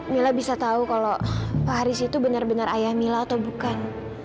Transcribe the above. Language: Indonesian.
mila bisa tahu kalau pak haris itu benar benar ayah mila atau bukan